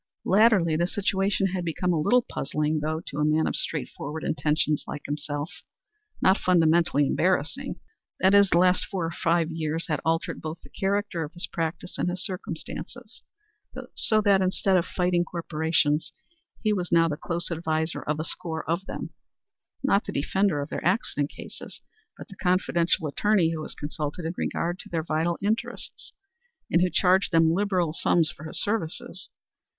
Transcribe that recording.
Latterly the situation had become a little puzzling, though to a man of straightforward intentions, like himself, not fundamentally embarrassing. That is, the last four or five years had altered both the character of his practice and his circumstances, so that instead of fighting corporations he was now the close adviser of a score of them; not the defender of their accident cases, but the confidential attorney who was consulted in regard to their vital interests, and who charged them liberal sums for his services.